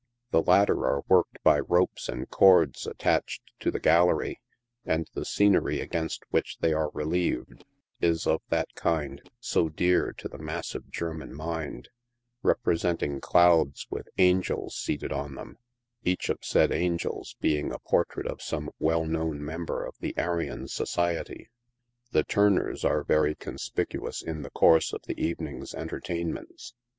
The latter are worked by ropes and cords attached to the gallery, and the scenery against which they are relieved is of that kind so dear to the massive German mind, representing clouds with angels seated on them, each of said angels being a portrait of some well known member of the Arion Society. Tiie Turners are very conspicuous in the course of the evening's entertainments.